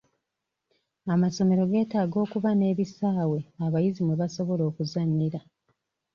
Amasomero geetaaga okuba n'ebisaawe abayizi mwe basobola okuzannyira.